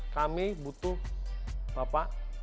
kami butuh bapak